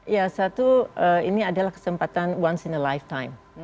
ya satu ini adalah kesempatan once in a lifetime